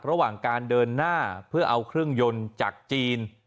ระหว่างการเดินหน้าเพื่อเอาเครื่องยนต์จากจีน